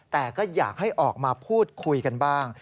แต่ก็อยากให้ออกมาพูดคุยกันบ้าง